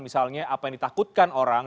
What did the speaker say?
misalnya apa yang ditakutkan orang